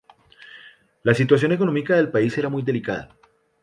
La situación económica del país era muy delicada.